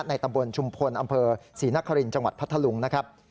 ตำบลชุมพลอำเภอศรีนครินทร์จังหวัดพัทธลุงนะครับ